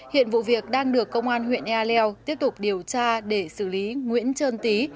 hiện vụ việc đang được công an huyện ea leo tiếp tục điều tra để xử lý nguyễn trơn tý